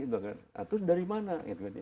terus dari mana